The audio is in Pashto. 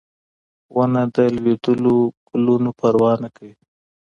ونه د لوېدلو ګلونو پروا نه کوي.